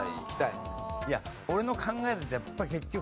いや俺の考えだとやっぱ結局。